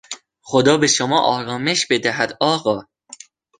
خدا به شما آرامش بدهد، آقا!